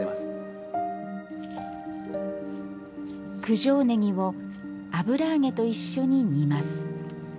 九条ねぎを油揚げと一緒に煮ます。